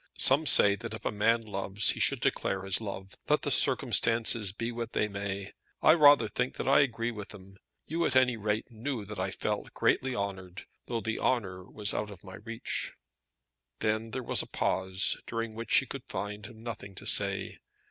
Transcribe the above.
"Some say that if a man loves he should declare his love, let the circumstances be what they may. I rather think that I agree with them. You at any rate knew that I felt greatly honoured, though the honour was out of my reach." Then there was a pause, during which he could find nothing to say.